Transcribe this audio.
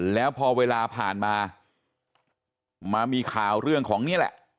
แล้วพอเวลาผ่านมามามีข่าวเรื่องของนี่แหละ